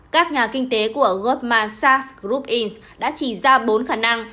các nhà kinh tế của goldman sachs group inc đã chỉ ra bốn khả năng